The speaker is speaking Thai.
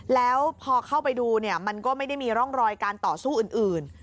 แล้วพอเข้าไปดูเนี่ยมันก็ไม่ได้มีร่องรอยการต่อสู้อื่น